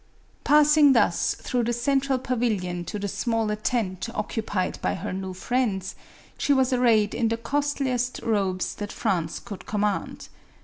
Passing thus through the central pavilion to the smaller tent occupied by her new friends, she was ar Vayed in the costliest robes that France could command.